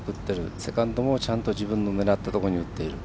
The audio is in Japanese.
セカンドもちゃんと自分の狙ったところに打っている。